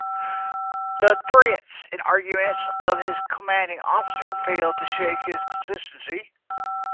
The threats and arguments of his commanding officer failed to shake his consistency.